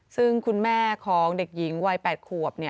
ซึ่งคุณแม่ของเด็กหญิงวัย๘ขวบ